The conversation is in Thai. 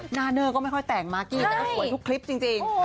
หน้าเนอร์ก็ไม่ค่อยแต่งมากกี้แต่ก็สวยทุกคลิปจริง